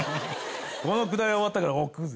このくだり終わったから置くぜ。